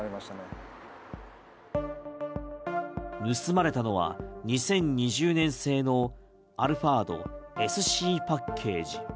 盗まれたのは２０２０年製のアルファードＳＣパッケージ。